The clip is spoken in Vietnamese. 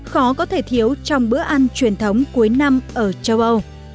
khó có thể thiếu trong bữa ăn truyền thống cuối năm ở châu âu